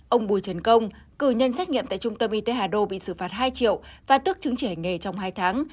ông bùi trần công cử nhân xét nghiệm tại trung tâm y tế hà đô bị xử phạt hai triệu và tức chứng chỉ hành nghề trong hai tháng